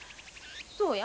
そうや。